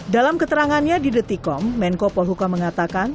dalam keterangannya di detikom menko polhuka mengatakan